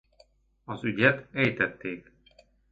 Az ügyet ejtették.